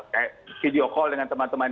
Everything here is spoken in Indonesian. kayak video call dengan teman teman